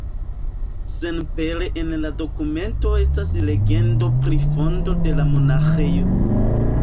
Senpere en la dokumento estas legendo pri fondo de la monaĥejo.